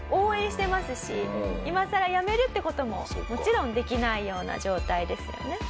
今さらやめるって事ももちろんできないような状態ですよね。